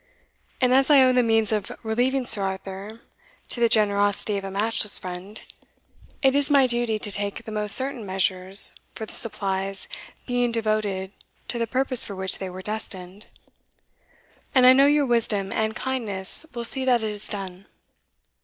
And as I owe the means of relieving Sir Arthur to the generosity of a matchless friend, it is my duty to take the most certain measures for the supplies being devoted to the purpose for which they were destined, and I know your wisdom and kindness will see that it is done.